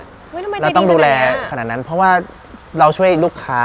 อุ้ยทำไมได้ดีนึงเราต้องดูแลขนาดนั้นเพราะว่าเราช่วยลูกค้า